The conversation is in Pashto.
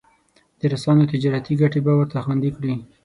د روسانو تجارتي ګټې به ورته خوندي کړي.